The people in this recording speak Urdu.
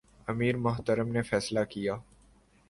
امیر محترم نے فیصلہ کیا